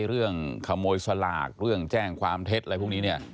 เรื่องขโมยสลากเรื่องแจ้งความเท็จอะไรพวกนี้เนี่ย